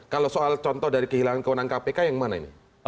kalau soal contoh dari kehilangan kewenangan kpk yang mana ini